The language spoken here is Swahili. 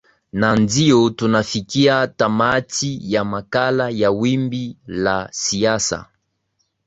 na ndio tunafikia tamati ya makala ya wimbi la siasa